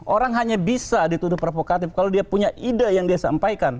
orang hanya bisa dituduh provokatif kalau dia punya ide yang dia sampaikan